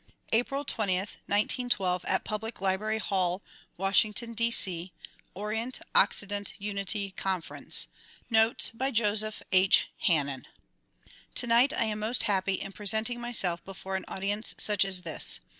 April 20, 1912, at Public Library Hall, Washington, D. C. Orifnt Occident Umti) Conference. Notes by Joseph H. Hannen TONIGHT I am most happy in presenting myself before an audience such as this.